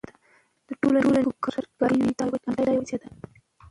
چې ټول نيكو كاره وي او همدا وجه ده